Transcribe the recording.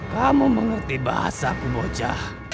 kamu mengerti bahasa kuboca